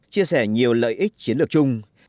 chia sẻ nhiều lợi ích chiến lược chung